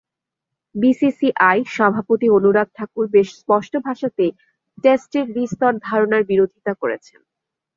BCCI সভাপতি অনুরাগ ঠাকুর বেশ স্পষ্ট ভাষাতেই টেস্টের দ্বিস্তর ধারণার বিরোধিতা করেছেন।